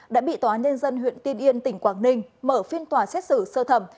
đã bị tòa nhân dân huyện tiên yên tỉnh quảng ninh mở phiên tòa xét xử sơ thẩm